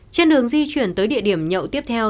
trên đường di chuyển tới địa điểm nhậu tiếp theo